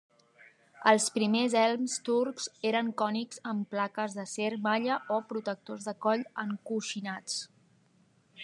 Els primers elms turcs eren cònics amb plaques d'acer, malla o protectors de coll encoixinats.